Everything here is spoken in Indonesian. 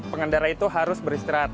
pengendara itu harus beristirahat